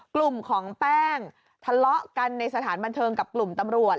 กลุ่มของแป้งทะเลาะกันในสถานบันเทิงกับกลุ่มตำรวจ